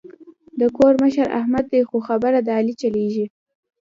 د کور مشر احمد دی خو خبره د علي چلېږي.